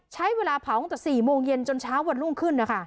ใช้เวลาเผาตั้งแต่๔โมงเย็นจนเช้าวันรุ่งขึ้นนะคะ